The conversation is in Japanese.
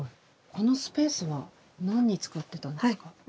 このスペースは何に使ってたんですか？